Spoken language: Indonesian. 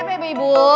siap ya ibu ibu